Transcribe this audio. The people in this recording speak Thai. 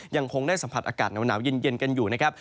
ยังคงได้สัมผัสอากาศหนาวเย็นกันอยู่นะครับ